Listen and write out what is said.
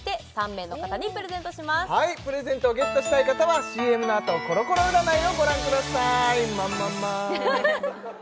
はいプレゼントをゲットしたい方はＣＭのあとコロコロ占いをご覧くださいマンマンマ